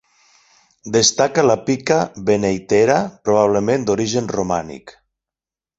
Destaca la pica beneitera, probablement d'origen romànic.